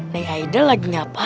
saya sedang melakukan apa